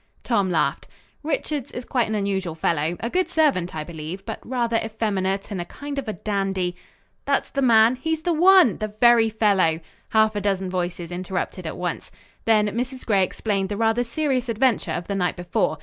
Tom laughed. "Richards is quite an unusual fellow, a good servant I believe, but rather effeminate and a kind of a dandy " "That's the man!" "He's the one!" "The very fellow!" Half a dozen voices interrupted at once. Then Mrs. Gray explained the rather serious adventure of the night before.